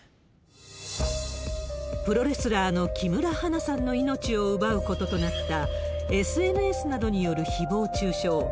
プロレスラーの木村花さんの命を奪うこととなった、ＳＮＳなどによるひぼう中傷。